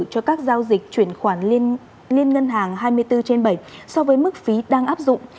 cho các giao dịch chuyển khoản liên ngân hàng hai mươi bốn trên bảy so với mức phí đang áp dụng